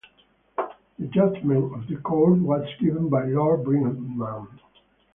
The judgement of the court was given by Lord Brightman.